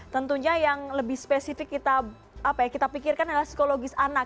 tentunya yang lebih spesifik kita pikirkan adalah psikologis anak